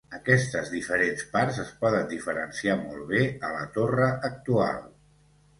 Aquestes diferents parts es poden diferenciar molt bé a la torre actual.